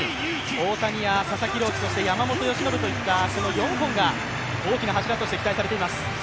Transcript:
大谷や佐々木朗希、そして山本由伸といった、この４本が大きな柱として期待されています。